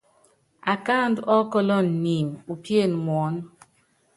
Akáandú ukɔ́lɔnɛ́ niimi, upíene muɔ́nɔ.